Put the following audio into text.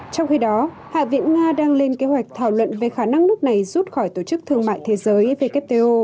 trong khi đó hạ viện nga đang lên kế hoạch thảo luận về khả năng nước này rút khỏi tổ chức thương mại thế giới wto